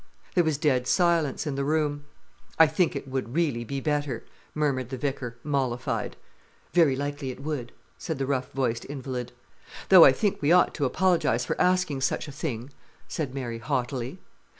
There was dead silence in the room. "I think it would really be better," murmured the vicar, mollified. "Very likely it would," said the rough voiced invalid. "Though I think we ought to apologize for asking such a thing," said Mary haughtily.